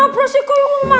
aku pergi dulu ya